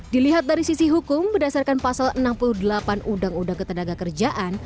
dilihat dari sisi hukum berdasarkan pasal enam puluh delapan undang undang ketenaga kerjaan